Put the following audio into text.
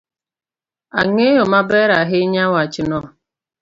Ang'eyo maber ahinya wachno.